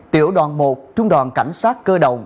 tiểu đoàn một trung đoàn cảnh sát cơ động